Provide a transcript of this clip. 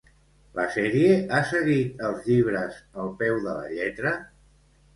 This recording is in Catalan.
La sèrie ha seguit els llibres al peu de la lletra?